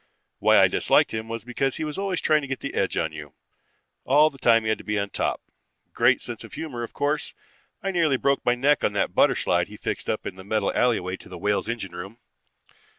Why I disliked him was because he was always trying to get the edge on you. All the time he had to be top. Great sense of humor, of course. I nearly broke my neck on that butter slide he fixed up in the metal alleyway to the Whale's engine room.